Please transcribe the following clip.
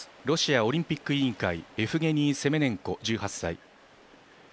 ロシアオリンピック委員会エフゲニー・セメネンコ、１８歳。